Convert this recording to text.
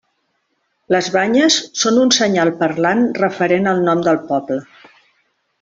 Les banyes són un senyal parlant referent al nom del poble.